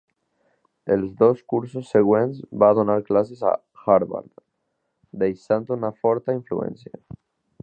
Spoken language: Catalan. Els dos cursos següents va donar classes a Harvard, deixant una forta influència.